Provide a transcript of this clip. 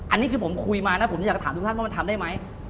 อันนี้คือผมคุยมานะผมอยากจะถามทุกท่านว่ามันทำได้ไหม